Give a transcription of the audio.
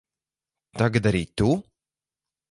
Tagad arī tu?